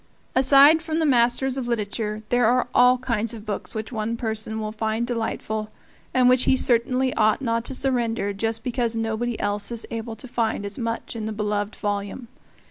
Aside from the masters of literature, there are all kinds of books which one person will find delightful, and which he certainly ought not to surrender just because nobody else is able to find as much in the beloved volume.